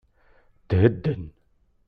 Thedden.